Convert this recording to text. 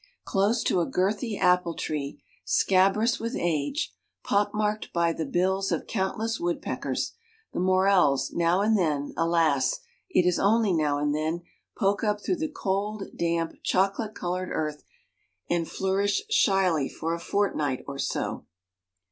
Close to a girthy apple tree, scabrous with age, pock marked by the bills of countless woodpeckers, the Morels, now and then — alas, it is only now and then — poke up through the cold, damp, chocolate colored earth and flour ish shyly for a fortnight or so.